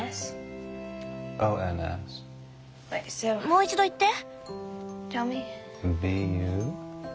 もう一度言って。